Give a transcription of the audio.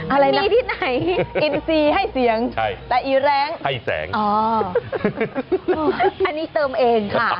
อะไรดีที่ไหนอินซีให้เสียงแต่อีแรงให้แสงอ๋ออันนี้เติมเองค่ะ